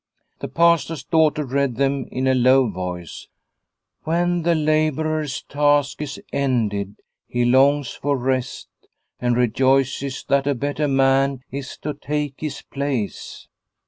The Pastor's daughter read them in a low voice :" When the labourer's task is ended he longs for rest, and rejoices that a better man is to take his place."